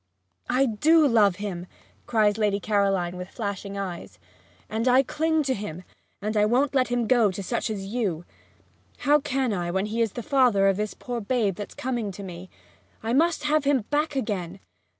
'I do love him!' cries Lady Caroline with flashing eyes, 'and I cling to him, and won't let him go to such as you! How can I, when he is the father of this poor babe that's coming to me? I must have him back again!